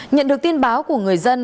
nhận được tin báo của người dân